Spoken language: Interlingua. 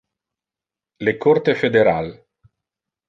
Le corte federal.